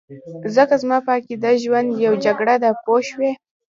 ځکه زما په عقیده ژوند یو جګړه ده پوه شوې!.